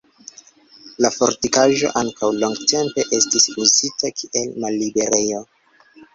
La fortikaĵo ankaŭ longtempe estis uzita kiel malliberejo.